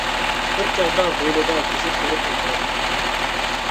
بىر چاغدا ھويلىدا گېزىت كۆرۈپ ئولتۇراتتىم.